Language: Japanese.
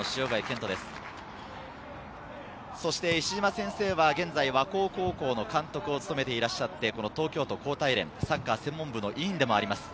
石島先生は現在、和光高校の監督を勤めていらっしゃって、東京都高体連サッカー専門部の委員でもあります。